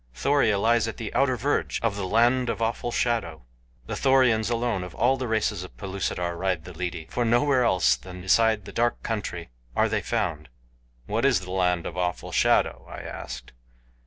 "Thoria lies at the outer verge of the Land of Awful Shadow. The Thorians alone of all the races of Pellucidar ride the lidi, for nowhere else than beside the dark country are they found." "What is the Land of Awful Shadow?" I asked.